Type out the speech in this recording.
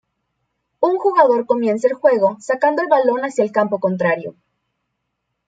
Un jugador comienza el juego sacando el balón hacia el campo contrario.